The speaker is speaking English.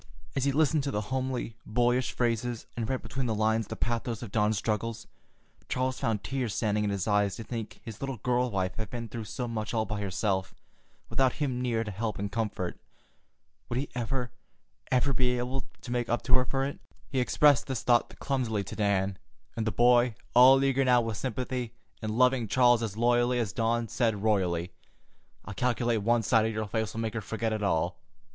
As he listened to the homely, boyish phrases and read between the lines the pathos of Dawn's struggles, Charles found tears standing in his eyes to think his little girl wife had been through so much all by herself, without him near to help and comfort. Would he ever, ever, be able to make up to her for it? He expressed this thought clumsily to Dan, and the boy, all eager now with sympathy, and loving Charles as loyally as Dawn, said royally: "I calculate one sight of your face'll make her forget it all.